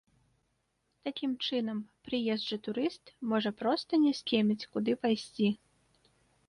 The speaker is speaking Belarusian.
Такім чынам, прыезджы турыст, можа проста не скеміць, куды пайсці.